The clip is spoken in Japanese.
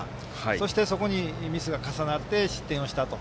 そして、そこにミスが重なって失点をした。